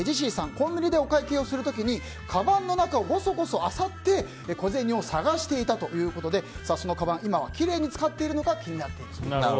コンビニでお買い物をする時にかばんの中をごそごそあさって小銭を探していたということでそのかばん、今はきれいに使っているのか気になるそうです。